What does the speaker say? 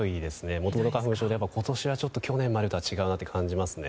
もともと花粉症で今年は去年までとは違うなと感じますね。